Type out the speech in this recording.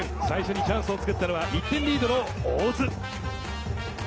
最初にチャンスをつくったのは１点リードの大津。